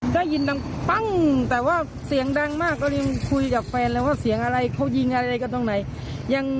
ได้ยินดังปั้งแต่ว่าเสียงดังมากก็เลยคุยกับแฟนเลยว่าเสียงอะไรเขายิงอะไรกันตรงไหน